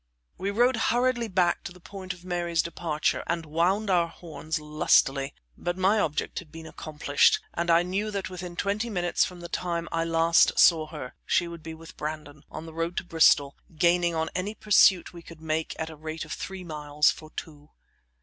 We rode hurriedly back to the point of Mary's departure and wound our horns lustily, but my object had been accomplished, and I knew that within twenty minutes from the time I last saw her, she would be with Brandon, on the road to Bristol, gaining on any pursuit we could make at the rate of three miles for two.